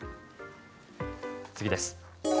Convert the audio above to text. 次です。